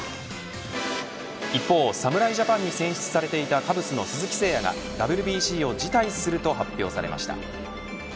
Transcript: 一方、侍ジャパンに選出されていたカブスの鈴木誠也がＷＢＣを辞退すると発表されました。